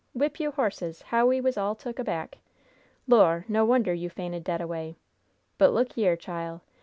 Whip you horses! how we was all took aback! Lor'! no wonder you fainted dead away. But look yere, chile.